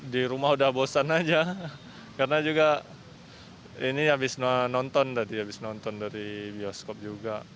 di rumah sudah bosan saja karena juga ini habis nonton dari bioskop juga